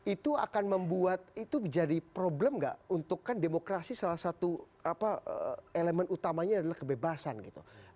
itu akan membuat itu jadi problem nggak untuk kan demokrasi salah satu elemen utamanya adalah kebebasan gitu